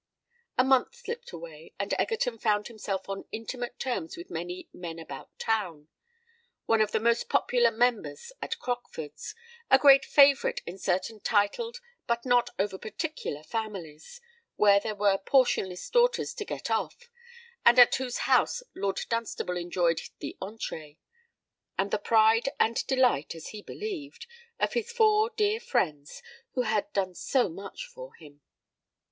A month slipped away, and Egerton found himself on intimate terms with many "men about town"—one of the most popular members at Crockford's—a great favourite in certain titled but not over particular families, where there were portionless daughters to "get off," and at whose house Lord Dunstable enjoyed the entrée—and the pride and delight (as he believed) of his four dear friends who had done so much for him!